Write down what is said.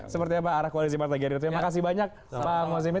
sepertinya pak arah kualisi partai gerindra terima kasih banyak pak musaimil